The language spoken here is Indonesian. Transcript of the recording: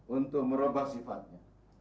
untuk merubah sifatnya